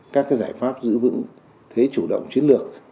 các giải pháp giữ vững thế chủ động chiến lược